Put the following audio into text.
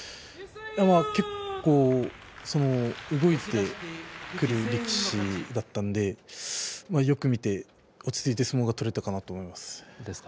結構動いてくる力士だったのでよく見て落ち着いて相撲が取れたかなと思います。